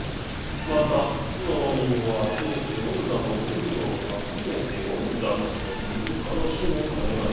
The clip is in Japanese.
また牢人を集めておるだの武具を集めておるだのという話もかねがね。